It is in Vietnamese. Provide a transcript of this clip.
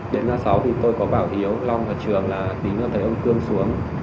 đến a sáu thì tôi có bảo hiếu long và trường là tính là thấy ông cương xuống